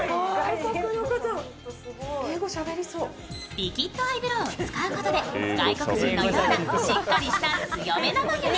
リキッドアイブローを使うことで外国人のような強めの眉に。